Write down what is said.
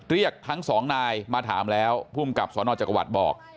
เรียกทั้งสองนายมาถามแล้วภูมิกับสนจักรวรรดิบอก